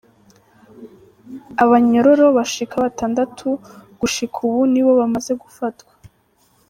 Abanyororo bashika batandatu gushika ubu ni bo bamaze gufatwa.